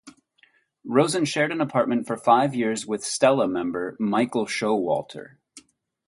Rosen shared an apartment for five years with Stella member Michael Showalter.